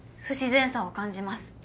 不自然さを感じます。